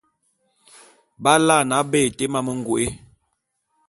B’alaene aba été mamə ngôé.